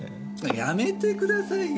やめてくださいよ！